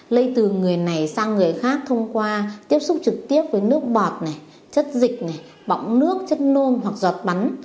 lây từ người này sang người khác thông qua tiếp xúc trực tiếp với nước bọt chất dịch bọng nước chất nôn hoặc giọt bắn